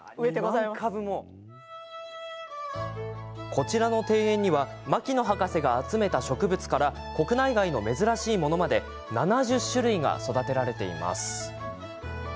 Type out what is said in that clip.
こちらの庭園には牧野博士が集めた植物から国内外の珍しいものまで７０種類が育てられています。